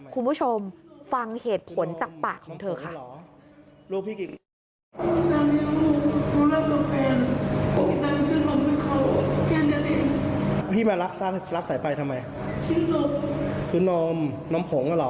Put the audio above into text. คุณผู้ชมฟังเหตุผลจากปากของเธอค่ะ